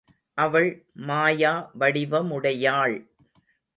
அவள் மாயா வடிவமுடையாள்.